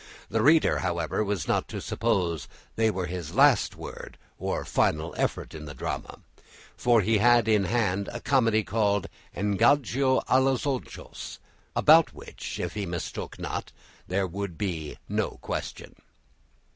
The reader, however, was not to suppose they were his last word or final effort in the drama, for he had in hand a comedy called "Engano a los ojos," about which, if he mistook not, there would be no question.